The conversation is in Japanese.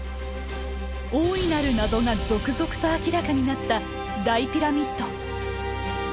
大いなる謎が続々と明らかになった大ピラミッド。